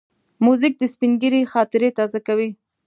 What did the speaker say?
موزیک د سپینږیري خاطرې تازه کوي.